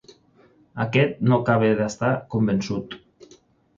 Aquest no acaba d'estar convençut.